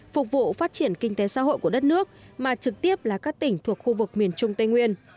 phục vụ phát triển kinh tế xã hội của đất nước mà trực tiếp là các tỉnh thuộc khu vực miền trung tây nguyên